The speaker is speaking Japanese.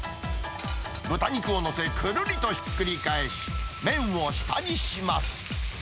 豚肉を載せ、くるりとひっくり返し、麺を下にします。